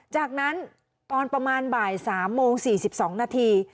จากนั้นตอนประมาณบ่าย๓โมง๔๒นาที